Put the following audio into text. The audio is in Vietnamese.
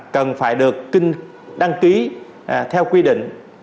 cần phải được đăng ký theo quy định